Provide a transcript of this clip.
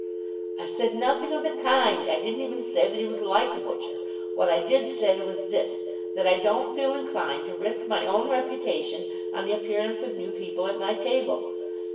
"I said nothing of the kind. I didn't even say that he was like a butcher. What I did say was this, that I don't feel inclined to risk my own reputation on the appearance of new people at my table.